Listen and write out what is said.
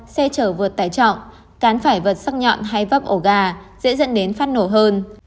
xe chở vượt tải trọng cán phải vật sắc nhọn hay vấp ổ gà dễ dẫn đến phát nổ hơn